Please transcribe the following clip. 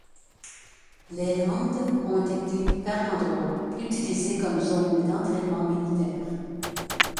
Les landes ont été par endroits utilisées comme zone d'entraînement militaire.